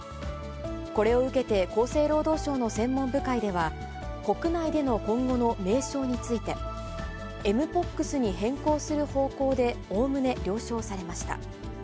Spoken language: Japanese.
これを受けて厚生労働省の専門部会では、国内での今後の名称について、エムポックスに変更する方向でおおむね了承されました。